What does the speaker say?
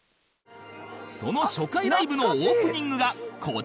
その初回ライブのオープニングがこちら